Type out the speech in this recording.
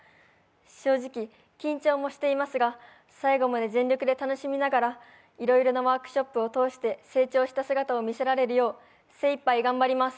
正直、緊張もしていますが最後まで全力で楽しみながらいろいろなワークショップを通して成長した姿を見せられるよう精いっぱい頑張ります。